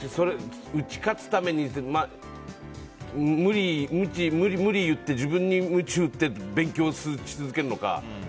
打ち勝つために、無理を言って自分にむちを打って勉強し続けるのか